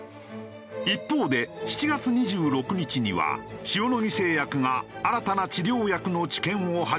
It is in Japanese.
一方で７月２６日には塩野義製薬が新たな治療薬の治験を始めたと発表。